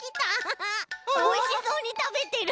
おいしそうにたべてる。